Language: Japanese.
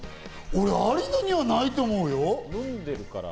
俺、有野にはないと思うよ。